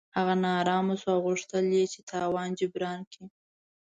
هغه نا ارامه شو او غوښتل یې چې تاوان جبران کړي.